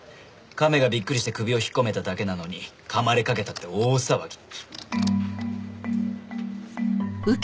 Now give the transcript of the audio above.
カメがびっくりして首を引っ込めただけなのに噛まれかけたって大騒ぎ。